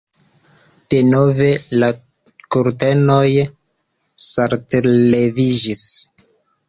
Denove la kurtenoj saltlevigis.